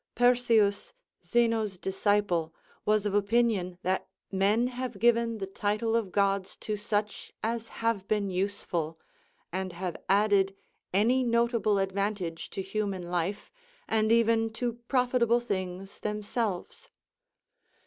Perseus, Zeno's disciple, was of opinion that men have given the title of gods to such as have been useful, and have added any notable advantage to human life, and even to profitable things themselves.